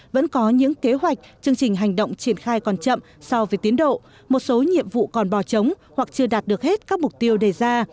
vẫn có những kế hoạch chương trình hành động triển khai còn chậm so với tiến độ một số nhiệm vụ còn bò chống hoặc chưa đạt được hết các mục tiêu đề ra